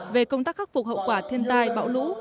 về công tác khắc phục hậu quả thiên tai bão lũ